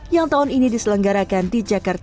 yang tahun ini diselenggarakan di jakarta